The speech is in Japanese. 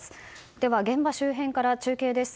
では現場周辺から中継です。